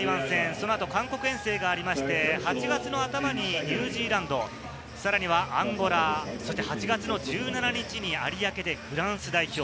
このあと韓国遠征がありまして、８月の頭にニュージーランド、さらにはアンゴラ、そして８月の１７日に有明でフランス代表。